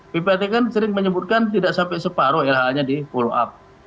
ppat kan sering menyebutkan tidak sampai separoh lha nya di pull up